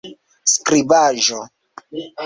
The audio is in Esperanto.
skribaĵo